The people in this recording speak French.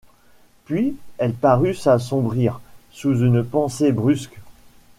Puis, elle parut s’assombrir, sous une pensée brusque.